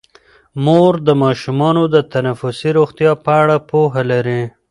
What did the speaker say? مور د ماشومانو د تنفسي روغتیا په اړه پوهه لري.